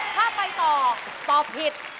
ถ้าไปต่อตอบผิด